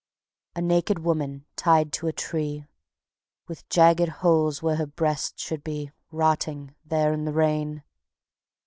_A naked woman tied to a tree With jagged holes where her breasts should be, Rotting there in the rain.